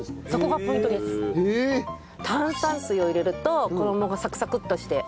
炭酸水を入れると衣がサクサクッとして美味しいんです。